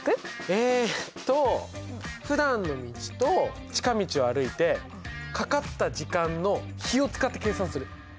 えっとふだんの道と近道を歩いてかかった時間の比を使って計算する。